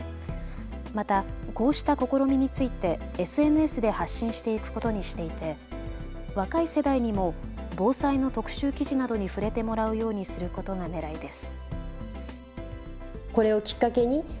また、こうした試みについてＳＮＳで発信していくことにしていて若い世代にも防災の特集記事などに触れてもらうようにすることがねらいです。